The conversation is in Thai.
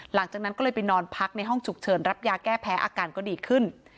หลังจากนั้นก็เลยไปนอนพักในห้องฉุกเฉินรับยาแก้แพ้อาการก็ดีขึ้น